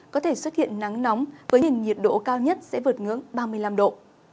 có thể xuất hiện nắng nóng với nền nhiệt độ cao nhất sẽ vượt ngưỡng ba mươi năm độ